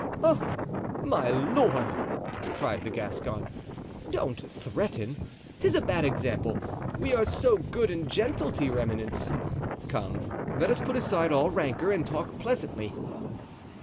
"Ah! my lord!" cried the Gascon, "don't threaten! 'tis a bad example. We are so good and gentle to your eminence. Come, let us put aside all rancor and talk pleasantly."